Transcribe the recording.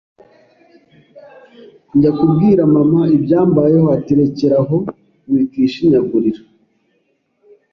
Njya kubwira mama ibyambayeho ati rekeraho wikwishinyagurira,